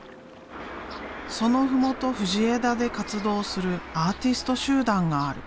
その麓藤枝で活動するアーティスト集団がある。